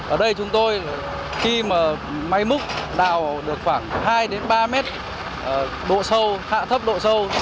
ở đây chúng tôi khi mà máy múc đào được khoảng hai ba mét độ sâu hạ thấp độ sâu